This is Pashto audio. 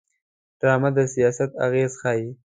ډرامه د سیاست اغېز ښيي